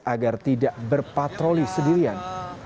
agar tidak berpatroli sendirian